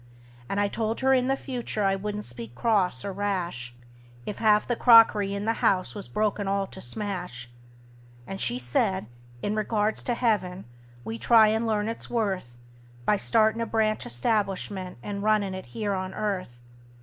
And I told her in the future I wouldn't speak cross or rash If half the crockery in the house was broken all to smash; And she said, in regards to heaven, we'd try and learn its worth By startin' a branch establishment and runnin' it here on earth.